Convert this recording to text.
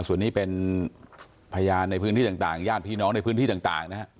ส่วนนี้เป็นพยานในพื้นที่ต่างญาติพี่น้องในพื้นที่ต่างนะฮะ